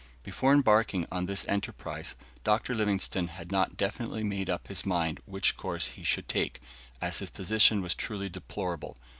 Before embarking on this enterprise, Dr. Livingstone had not definitely made up his mind which course he should take, as his position was truly deplorable.